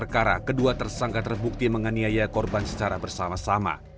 kedua tersangka terbukti menganiaya korban secara bersama sama